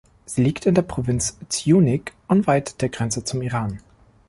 Sie liegt in der Provinz Sjunik unweit der Grenze zum Iran.